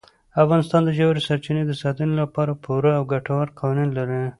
افغانستان د ژورې سرچینې د ساتنې لپاره پوره او ګټور قوانین لري.